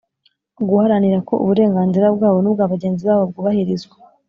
guharanira ko uburenganzira bwabo n’ubwa bagenzi babo bwubahirizwa